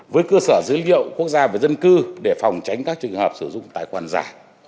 với cơ sở dữ liệu quốc gia về dân cư để phòng tránh các trường hợp sử dụng tài khoản giả